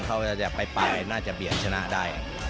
เขาจะไปน่าจะเบียดชนะได้